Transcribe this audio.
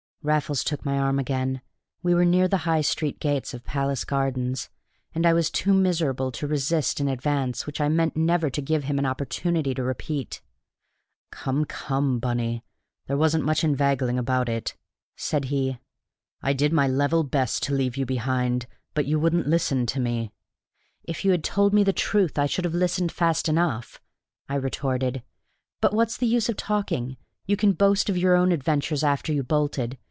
Raffles took my arm again. We were near the High Street gates of Palace Gardens, and I was too miserable to resist an advance which I meant never to give him an opportunity to repeat. "Come, come, Bunny, there wasn't much inveigling about it," said he. "I did my level best to leave you behind, but you wouldn't listen to me." "If you had told me the truth I should have listened fast enough," I retorted. "But what's the use of talking? You can boast of your own adventures after you bolted.